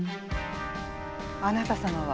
あなた様は？